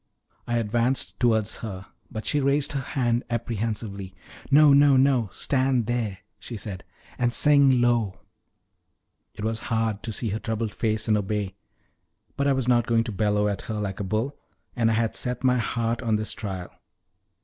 I advanced towards her, but she raised her hand apprehensively. "No, no, no; stand there," she said, "and sing low." It was hard to see her troubled face and obey, but I was not going to bellow at her like a bull, and I had set my heart on this trial.